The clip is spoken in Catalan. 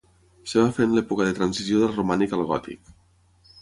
Es va fer en l'època de transició del romànic al gòtic.